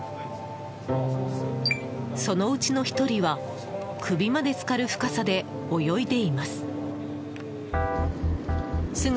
そのうちの１人は首まで浸かる深さで泳いでいます。